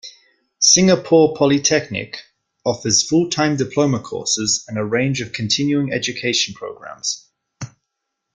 Singapore Polytechnic offers full-time diploma courses and a range of continuing education programmes.